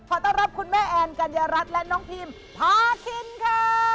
ขอต้อนรับคุณแม่แอนกัญญารัฐและน้องพิมพาคินค่ะ